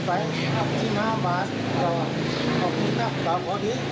ว่ามันก็แต่เจ้านี่